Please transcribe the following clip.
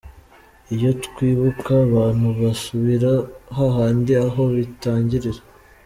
Iyo twibuka abantu basubira ha handi aho bitangirira.